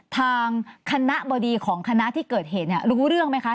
ทางคณะบดีของคณะที่เกิดเหตุเนี่ยรู้เรื่องไหมคะ